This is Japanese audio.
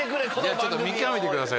ちょっと見極めてください